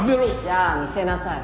じゃあ見せなさい。